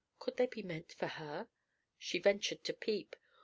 Could they be meant for her? She ventured to peep.